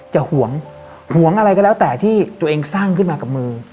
ห่วงห่วงอะไรก็แล้วแต่ที่ตัวเองสร้างขึ้นมากับมือ